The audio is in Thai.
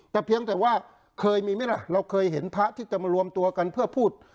แต่เพียงแต่ว่าเคยมีไหมล่ะเราเคยเห็นพระที่จะมารวมตัวกันเพื่อพูด